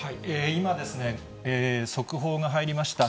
今、速報が入りました。